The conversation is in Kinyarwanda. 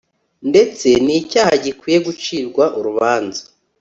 ndetse ni icyaha gikwiye gucirwa urubanza